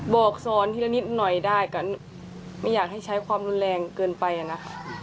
บอกสอนทีละนิดหน่อยได้กันไม่อยากให้ใช้ความรุนแรงเกินไปนะคะ